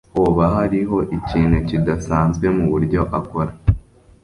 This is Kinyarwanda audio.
Hoba hariho ikintu kidasanzwe muburyo akora?